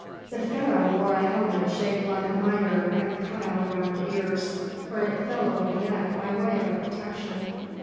The Pharaoh wore a helmet shaped like a mitre and cut out around the ears, where it fell over the neck by way of a protection.